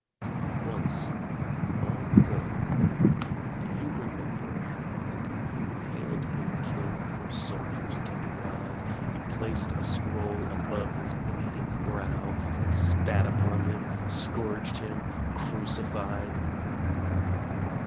Once ... long ago ... do you remember how You hailed Him king for soldiers to deride You placed a scroll above His bleeding brow And spat upon Him, scourged Him, crucified